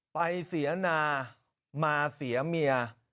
เสียนามาเสียเมีย